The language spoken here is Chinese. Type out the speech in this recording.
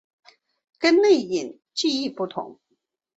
跟内隐记忆不同。